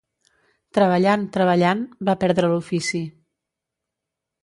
Treballant, treballant, va perdre l'ofici.